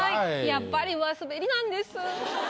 やっぱり上すべりなんです。